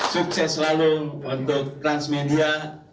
sukses selalu untuk transmedia